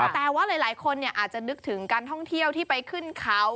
แต่ว่าหลายคนอาจจะนึกถึงการท่องเที่ยวที่ไปขึ้นเขา